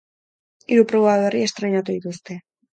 Hiru proba berri estreinatu dituzte.